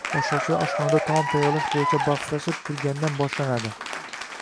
boshlovchilar oshxonada taom tayyorlash bo’yicha baxslashib turgandan boshlanadi.